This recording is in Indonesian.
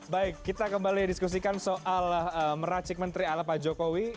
baik kita kembali diskusikan soal meracik menteri ala pak jokowi